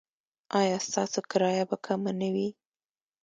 ایا ستاسو کرایه به کمه نه وي؟